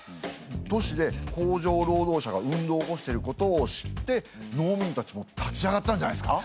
都市で工場労働者が運動を起こしてることを知って農民たちも立ち上がったんじゃないですか？